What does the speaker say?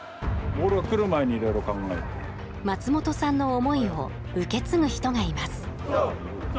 松本さんの思いを受け継ぐ人がいます。